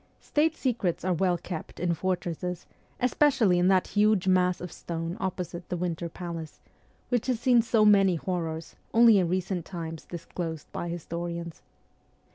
State secrets are well kept in fortresses, especially in that huge mass of stone opposite the Winter Palace, which has seen so many horrors, only in recent times disclosed by historians.